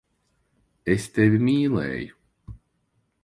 Es tevi mīlēju.